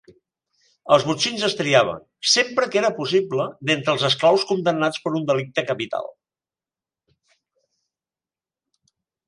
Els botxins es triaven, sempre que era possible, d'entre els esclaus condemnats per un delicte capital.